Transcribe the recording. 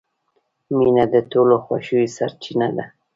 • مینه د ټولو خوښیو سرچینه ده.